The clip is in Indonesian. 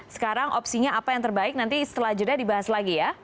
sekarang opsinya apa yang terbaik nanti setelah jeda dibahas lagi ya